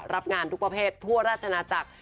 รับงานทุกประเภททั่วราชนาจักร